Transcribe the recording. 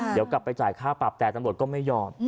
เดี๋ยวกลับไปจ่ายค่าปรับแต่ตำรวจก็ไม่ยอม